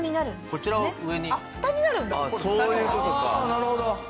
なるほど。